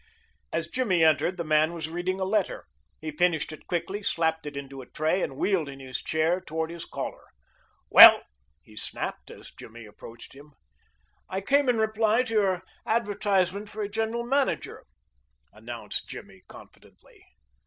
As Jimmy entered the man was reading a letter. He finished it quickly, slapped it into a tray, and wheeled in his chair toward his caller. "Well?" he snapped, as Jimmy approached him. "I came in reply to your advertisement for a general manager," announced Jimmy confidently.